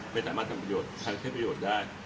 ไม่สามารถทำประโยชน์ทั้งใช้ประโยชน์ได้